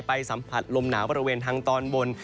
ไปสทำผ่านลมหนาวบริเวณทางตอนบน